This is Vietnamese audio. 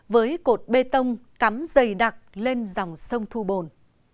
với cột bê tông cắm dày đặc lên dòng sông thu bồn